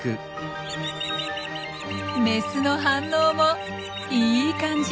メスの反応もいい感じ！